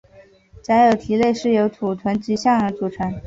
假有蹄类是由土豚及象鼩组成。